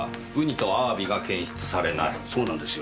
そうなんですよ。